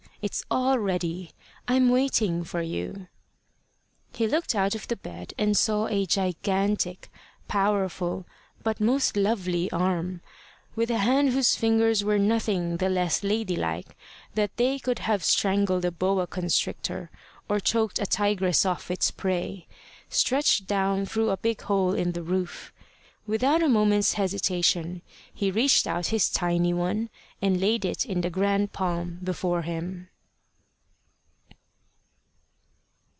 "It's all ready. I'm waiting for you." He looked out of the bed, and saw a gigantic, powerful, but most lovely arm with a hand whose fingers were nothing the less ladylike that they could have strangled a boa constrictor, or choked a tigress off its prey stretched down through a big hole in the roof. Without a moment's hesitation he reached out his tiny one, and laid it in the grand palm before him.